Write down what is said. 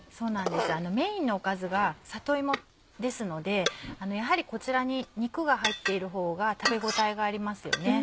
メインのおかずが里芋ですのでやはりこちらに肉が入っているほうが食べ応えがありますよね。